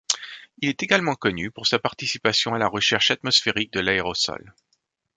Il est également connu pour sa participation à la recherche atmosphérique de l'aérosol.